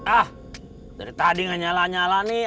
ah dari tadi nggak nyala nyala nih